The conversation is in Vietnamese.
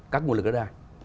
các nguồn lực đất đai